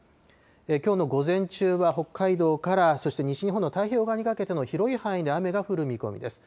きょうの午前中は北海道から、そして西日本の太平洋側にかけての広い範囲で雨が降る見込みです。